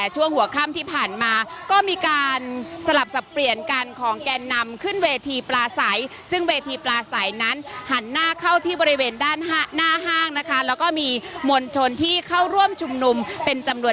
จะอธิบายค่ะเป็นสองฝั่งสองฝั่งเนี่ยให้การไม่เหมือนกัน